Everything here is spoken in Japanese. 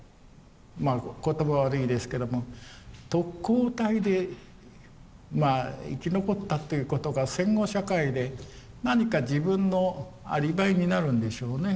まあ言葉は悪いですけども特攻隊でまあ生き残ったっていうことが戦後社会で何か自分のアリバイになるんでしょうね。